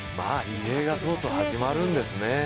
リレーがとうとう始まるんですね。